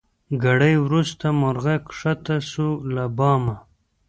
ګړی وروسته مرغه کښته سو له بامه